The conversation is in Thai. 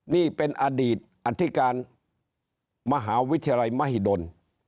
นี่เป็นอดีตอธิการมหาวิทยาลัยมหิดล